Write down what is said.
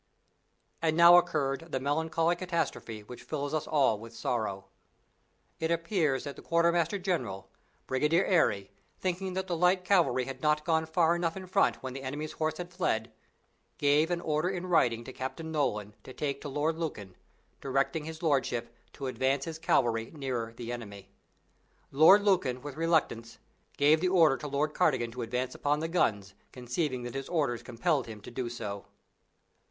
And now occurred the melancholy catastrophe which fills us all with sorrow. It appears that the Quartermaster General, Brigadier Airey, thinking that the light cavalry had not gone far enough in front when the enemy's horse had fled, gave an order in writing to Captain Nolan to take to Lord Lucan, directing his lordship "to advance" his cavalry nearer the enemy. Lord Lucan, with reluctance, gave the order to Lord Cardigan to advance upon the guns, conceiving that his orders compelled him to do so.